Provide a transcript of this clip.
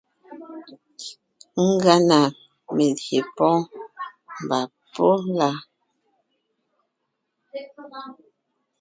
Ngʉa na melyè pɔ́ɔn mba pɔ́b la.